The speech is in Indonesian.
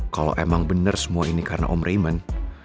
kalau emang bener semua ini karena om raymond